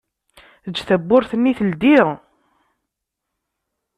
Eǧǧ tawwurt-nni teldi.